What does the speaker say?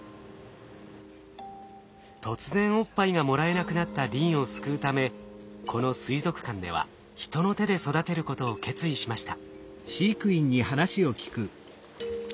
突然おっぱいがもらえなくなったリンを救うためこの水族館では人の手で育てることを決意しました。